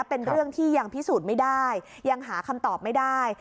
เป็นเรื่องที่ยังพิสูจน์ไม่ได้ยังหาคำตอบไม่ได้